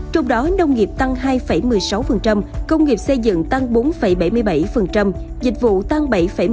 trong đó nông nghiệp tăng hai một mươi sáu công nghiệp xây dựng tăng bốn bảy mươi bảy dịch vụ tăng bảy một mươi bảy